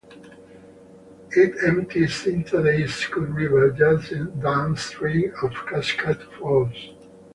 It empties into the Iskut River just downstream of Cascade Falls.